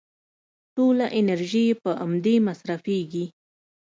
ټوله انرژي يې په امدې مصرفېږي.